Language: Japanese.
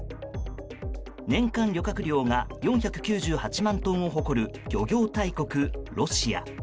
年間漁獲量が４９８万トンを誇る漁業大国ロシア。